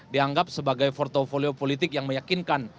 dianggap sebagai portfolio politik yang meyakinkan